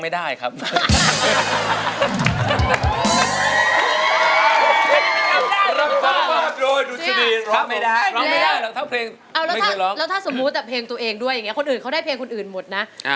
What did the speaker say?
แล้วถ้าสมมติเพลงตัวเองด้วยคนอื่นเขาได้เพลงคนอื่นหมดนะ